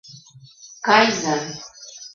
— Кайза.